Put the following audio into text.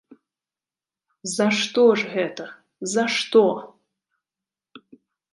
За што ж гэта, за што?